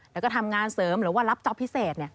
แล้วก็ทำงานเสริมหรือว่ารับจ๊อปพิเศษ